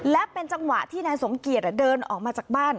และเป็นจังหวะที่นายสมเกียจเดินออกมาจากบ้าน